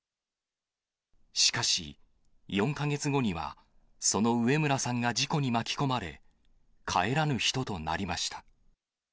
しかし、４か月後には、その上邨さんが事故に巻き込まれ、帰らぬ人となりました。